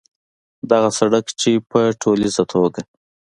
دغه سړک چې په ټولیزه توګه